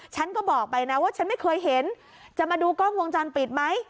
ฉันก็บอกไปนะว่าฉันไม่เคยเห็นจะมาดูกล้องวงจรปิดไหม